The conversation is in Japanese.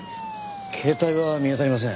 携帯は見当たりません。